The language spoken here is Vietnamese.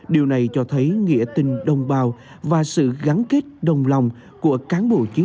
điều này cho thấy nghĩa tình đồng bào và sự gắn kết đồng lòng của cán bộ chiến sĩ với nhân dân